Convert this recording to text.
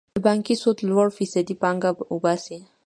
د بانکي سود لوړه فیصدي پانګه وباسي.